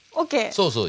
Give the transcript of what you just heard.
そうそう。